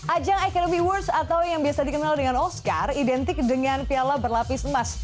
ajang academy awards atau yang biasa dikenal dengan oscar identik dengan piala berlapis emas